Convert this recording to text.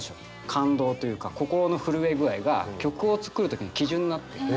感動というか心の震え具合が曲を作る時の基準になってる。